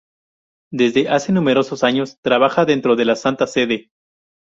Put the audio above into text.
Desde hace numerosos años trabaja dentro de la Santa Sede.